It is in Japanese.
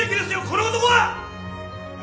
この男は！